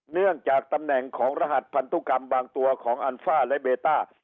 เนื่องจากตำแหน่งของรหัสพันธุกรรมบางตัวของอัลฟ่าและเบต้า